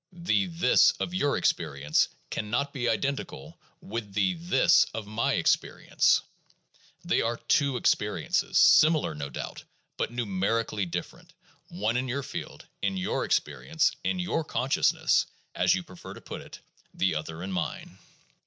The "this" of your ex perience can not be identical with the "this" of my experience; they are two experiences, similar no doubt, but numerically different, one in your field, in your experience, in your consciousness (as you prefer to put it), the other in mine.